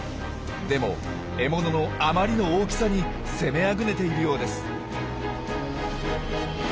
でも獲物のあまりの大きさに攻めあぐねているようです。